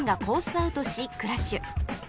アウトしクラッシュ